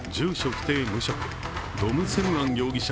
不定・無職ドムセムアン容疑者